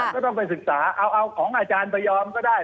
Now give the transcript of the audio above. ก็ต้องไปศึกษาเอาของอาจารย์พยอมก็ได้